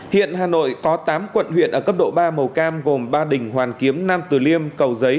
hiện hà nội có tám quận huyện ở cấp độ ba màu cam gồm ba đình hoàn kiếm nam tử liêm cầu giấy